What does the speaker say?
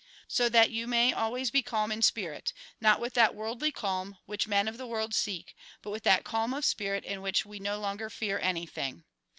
So that you may always be calm in spirit, not with that worldly calm which men of the world seek, but with that calm of spirit in which we no longer fear anything.